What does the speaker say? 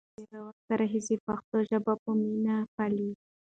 هغه له ډېر وخت راهیسې پښتو ژبه په مینه پالي.